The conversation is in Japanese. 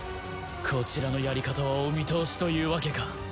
こちらのやり方はお見通しというわけか。